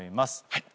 はい。